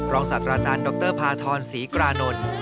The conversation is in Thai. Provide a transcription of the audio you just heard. รองศัตราจารณ์ดรพาทรศรีกรานนท์